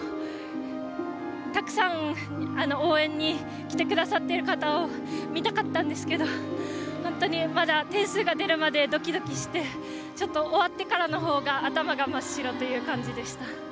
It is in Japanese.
たくさん応援に来てくださっている方を見たかったんですけど本当に点数が出るまでドキドキしてちょっと終わってからのほうが頭が真っ白という感じでした。